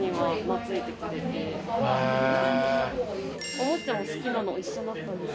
おもちゃも好きなの一緒だったんです。